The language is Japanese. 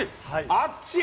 あっち。